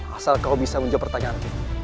asal kau bisa menjawab pertanyaanku